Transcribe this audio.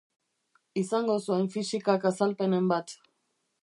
Izango zuen Fisikak azalpenen bat.